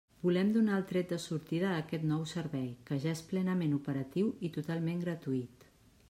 Volem donar el tret de sortida a aquest nou servei, que ja és plenament operatiu i totalment gratuït.